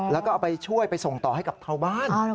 แล้วก็เอาไปช่วยไปส่งต่อให้กับชาวบ้าน